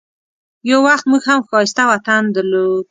یو وخت موږ هم ښایسته وطن درلود.